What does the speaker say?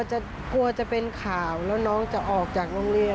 กลัวจะเป็นข่าวแล้วน้องจะออกจากโรงเรียน